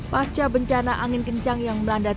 pasca bencana angin kencang yang melanda